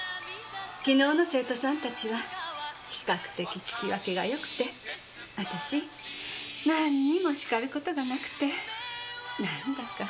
昨日の生徒さんたちは比較的聞き分けがよくて私なんにも叱る事がなくてなんだか。